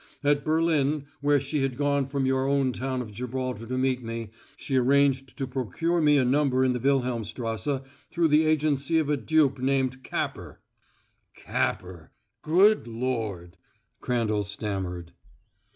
At Berlin, where she had gone from your own town of Gibraltar to meet me, she arranged to procure me a number in the Wilhelmstrasse through the agency of a dupe named Capper " "Capper! Good Lord!" Crandall stammered.